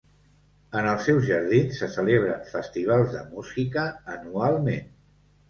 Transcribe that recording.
En els seus jardins se celebren festivals de música anualment.